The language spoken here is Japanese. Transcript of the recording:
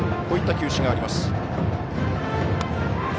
こういった球種があります。